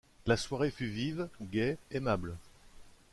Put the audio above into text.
La soirée fut vive, gaie, aimable.